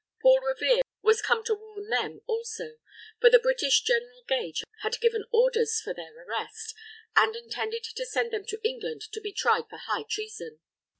Paul Revere was come to warn them also; for the British General Gage had given orders for their arrest, and intended to send them to England to be tried for high treason.